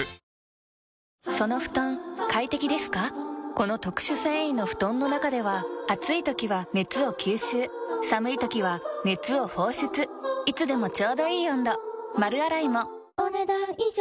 この特殊繊維の布団の中では暑い時は熱を吸収寒い時は熱を放出いつでもちょうどいい温度丸洗いもお、ねだん以上。